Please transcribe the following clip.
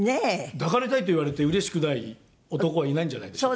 「抱かれたい」って言われてうれしくない男はいないんじゃないでしょうか。